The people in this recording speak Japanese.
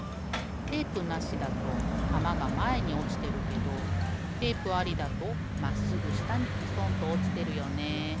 テープなしだとたまがまえにおちてるけどテープありだとまっすぐしたにストンとおちてるよね。